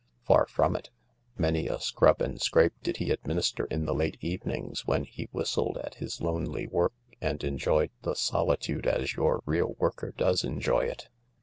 Far from it. Many a scrub and scrape did he administer in the late evenings when he whistled at his lonely work and enjoyed the solitude as your real worker does enjoy it.